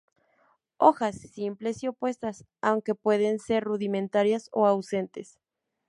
Hojas: simples y opuestas, aunque pueden ser rudimentarias o ausentes.